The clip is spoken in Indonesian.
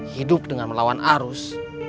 hidup dengan melawan arus